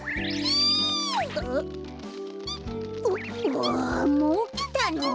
わあもうきたの？